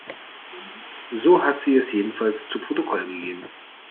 So hat sie es jedenfalls zu Protokoll gegeben.